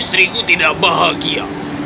istriku tidak bahagia